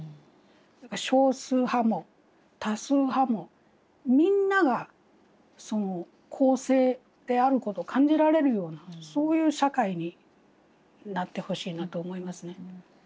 少数派も多数派もみんなが公正であることを感じられるようなそういう社会になってほしいなと思いますね。